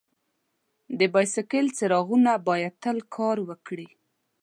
د بایسکل څراغونه باید تل کار وکړي.